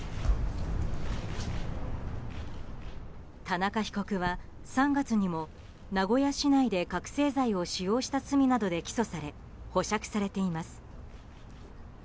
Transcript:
田中被告は３月にも名古屋市内で覚醒剤を使用した罪などで起訴され保釈されています。